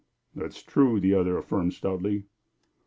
"That's true," the other affirmed, stoutly.